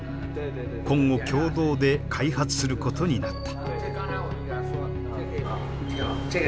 今後共同で開発することになった。